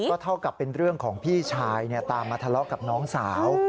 ก็เท่ากับเป็นเรื่องของพี่ชายตามมาทะเลาะกับน้องสาว